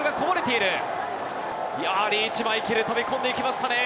いやー、リーチマイケル、飛び込んでいきましたね。